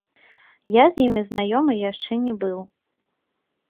Я з імі знаёмы яшчэ не быў.